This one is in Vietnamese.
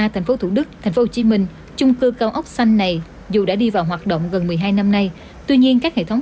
thành phố hồ chí minh hiện đang có hàng trăm đồng